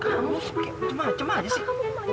kamu semacam aja sih